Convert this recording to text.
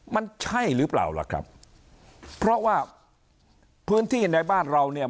มันใช่หรือเปล่าล่ะครับเพราะว่าพื้นที่ในบ้านเราเนี่ย